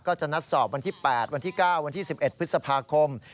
ก็จะนัดสอบวันที่๘วันที่๙วันที่๑๑พฤษภาคม